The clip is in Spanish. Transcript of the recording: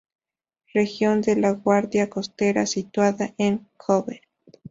Región de la Guardia Costera, situada en Kōbe.